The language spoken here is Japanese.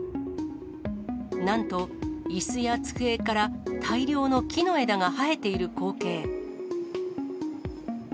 なんと、いすや机から大量の木の枝が生えている光景。